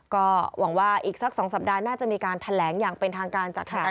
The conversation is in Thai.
ก็หวังว่าอีกสัก๒สัปดาห์น่าจะมีการแถลงอย่างเป็นทางการจากธนา